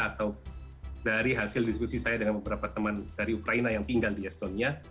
atau dari hasil diskusi saya dengan beberapa teman dari ukraina yang tinggal di estonia